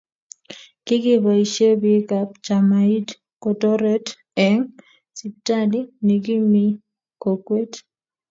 Kikibaisie biik ab chamait kotoret eng siptalit nikimii kokwet